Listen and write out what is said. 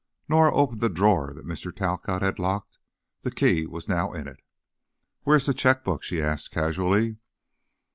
Norah opened the drawer that Mr. Talcott had locked, the key was now in it. "Where's the checkbook?" she asked, casually.